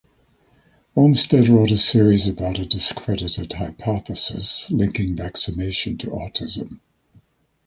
Olmsted wrote a series about a discredited hypothesis linking vaccination to autism.